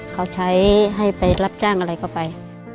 เขาใช้ให้ไปรับจ้างอะไรก็ไป